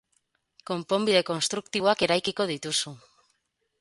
Konponbide konstruktiboak eraikiko dituzu.